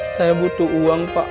saya butuh uang pak